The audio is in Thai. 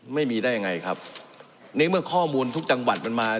ไม่มีได้ยังไงครับในเมื่อข้อมูลทุกจังหวัดมันมา